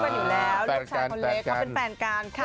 กันอยู่แล้วลูกชายคนเล็กเขาเป็นแฟนกันค่ะ